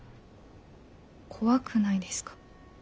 怖くないですか？